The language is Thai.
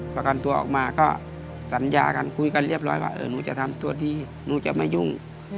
ประกันตัวออกมาก็สัญญากันคุยกันเรียบร้อยว่าเออหนูจะทำตัวดีหนูจะมายุ่ง